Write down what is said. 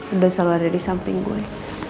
udah selalu ada di samping gue